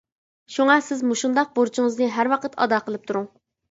شۇڭا سىز مۇشۇنداق بۇرچىڭىزنى ھەر ۋاقىت ئادا قىلىپ تۇرۇڭ.